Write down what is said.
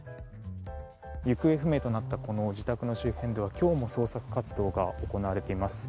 行方不明となった自宅の周辺では今日も捜索活動が行われています。